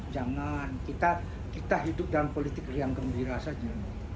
jangan kita hidup dalam politik yang gembira saja